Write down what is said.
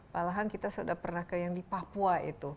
malahan kita sudah pernah ke yang di papua itu